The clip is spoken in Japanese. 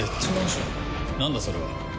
なんだそれは？